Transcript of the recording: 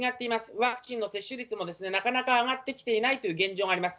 ワクチンの接種率もなかなか上がってきていないという現状があります。